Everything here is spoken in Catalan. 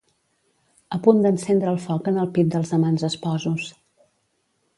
A punt d'encendre el foc en el pit dels amants esposos.